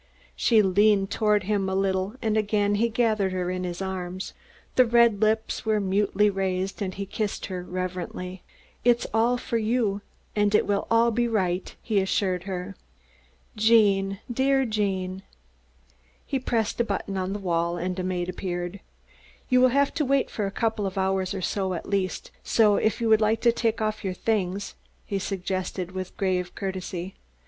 She leaned toward him a little and again he gathered her in his arms. The red lips were mutely raised, and he kissed her reverently. "It's all for you and it will all be right," he assured her. "Gene, dear Gene!" He pressed a button on the wall and a maid appeared. "You will have to wait for a couple of hours or so, at least, so if you would like to take off your things?" he suggested with grave courtesy.